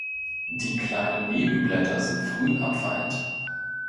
Die kleinen Nebenblätter sind früh abfallend.